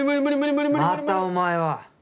またお前は。